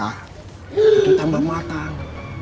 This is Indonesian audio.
makin tambah matang